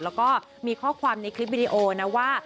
แล้วก็มีข้อความในคลิปวิดีโอนะว่า